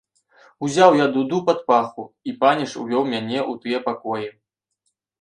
Узяў я дуду пад паху, і паніч увёў мяне ў тыя пакоі.